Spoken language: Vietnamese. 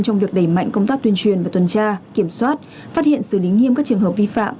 trong việc đẩy mạnh công tác tuyên truyền và tuần tra kiểm soát phát hiện xử lý nghiêm các trường hợp vi phạm